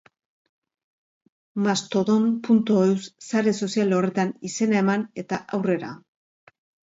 Mastodon.eus sare sozial horretan izena eman, eta aurrera.